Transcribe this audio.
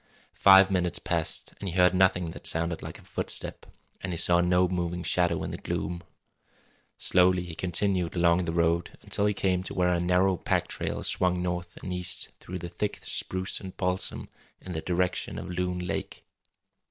Five minutes passed and he heard nothing that sounded like a footstep, and he saw no moving shadow in the gloom. Slowly he continued along the road until he came to where a narrow pack trail swung north and east through the thick spruce and balsam in the direction of Loon Lake.